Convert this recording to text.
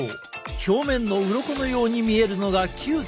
表面のうろこのように見えるのがキューティクル。